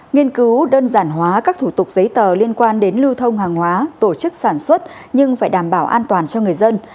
nghiên cứu đơn giản hóa các thủ tục giấy tờ liên quan đến lưu thông hàng hóa tổ chức sản xuất nhưng phải đảm bảo an toàn cho người dân